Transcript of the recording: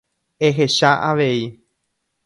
Ehecha avei.